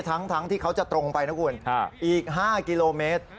ทั้งที่เขาจะตรงไปนะคุณอีก๕กิโลเมตร